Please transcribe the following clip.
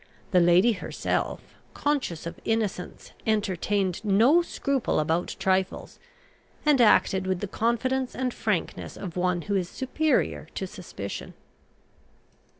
The lady herself, conscious of innocence, entertained no scruple about trifles, and acted with the confidence and frankness of one who is superior to suspicion.